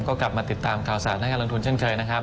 ก็กลับมาติดตามข่าวสารด้านการลงทุนเช่นเคยนะครับ